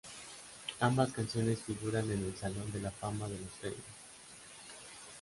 Ambas canciones figuran en el Salón de la Fama de los Grammy.